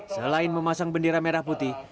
selain memasang bendera merah putih